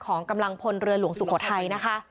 ของกำลังพลเรือหลวงสุโขทัย